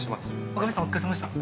若林さんお疲れさまでした。